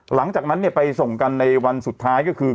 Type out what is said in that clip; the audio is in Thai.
หลังจากนั้นไปส่งกันในวันสุดท้ายก็คือ